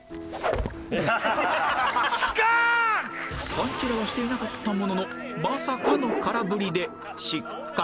パンチラはしていなかったもののまさかの空振りで失格